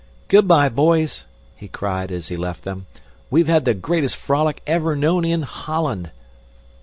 "Good bye, boys!" he cried as he left them. "We've had the greatest frolic ever known in Holland."